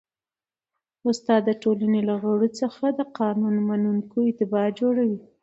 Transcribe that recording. استاد د ټولني له غړو څخه د قانون منونکي اتباع جوړوي.